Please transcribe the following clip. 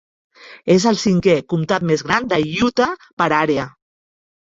És el cinquè comtat més gran de Utah per àrea.